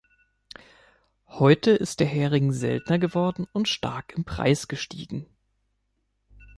Heute ist der Hering seltener geworden und stark im Preis gestiegen.